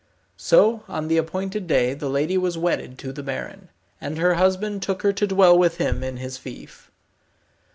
So on the appointed day the lady was wedded to the baron, and her husband took her to dwell with him in his fief.